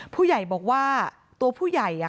ผู้ใหญ่บอกว่าตัวผู้ใหญ่